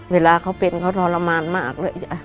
เวลาเขาเป็นเขาทรมานมากเลย